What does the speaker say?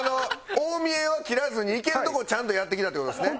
大見えは切らずにいけるとこをちゃんとやってきたって事ですね。